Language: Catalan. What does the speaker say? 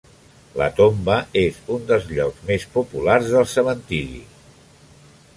La tomba és un dels llocs més populars del cementiri.